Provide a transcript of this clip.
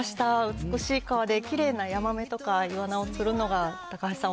美しい川で、きれいなヤマメとかイワナを釣るのが高橋さん